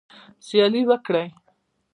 سیالي وکړئ